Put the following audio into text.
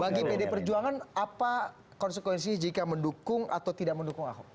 bagi pd perjuangan apa konsekuensi jika mendukung atau tidak mendukung ahok